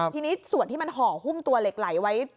ทีนี้ส่วนที่มันห่อหุ้มตัวเหล็กไหลไว้